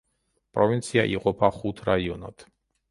პროვინცია იყოფა ხუთ რაიონად.